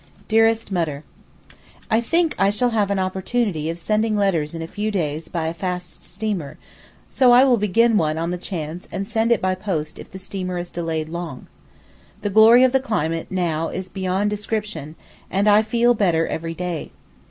DEAREST MUTTER, I think I shall have an opportunity of sending letters in a few days by a fast steamer, so I will begin one on the chance and send it by post if the steamer is delayed long. The glory of the climate now is beyond description, and I feel better every day.